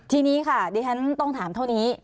ทีนี้ค่ะดิฉันต้องถามเท่านี้